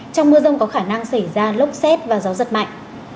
trong mưa rông có khả năng xảy ra lốc xét và gió giật mạnh